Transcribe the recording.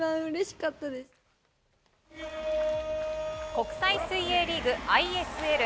国際水泳リーグ・ＩＳＬ。